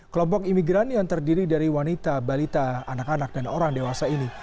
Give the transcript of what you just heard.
kelompok imigran yang terdiri dari wanita balita anak anak dan orang dewasa ini